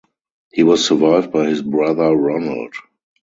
He was survived by his brother Ronald.